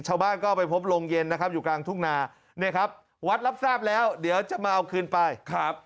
ชาวบ้านก็ไปพบโรงเย็นนะครับอยู่กลางทุ่งนาเนี่ยครับวัดรับทราบแล้วเดี๋ยวจะมาเอาคืนไปครับ